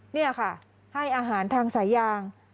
นี่ค่ะให้อาหารทางสายยาง